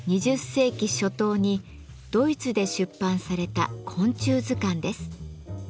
２０世紀初頭にドイツで出版された昆虫図鑑です。